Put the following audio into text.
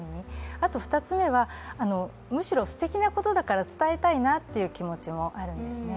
あと２つ目に、むしろすてきなことだから、伝えたいなって気持ちもあるんですね。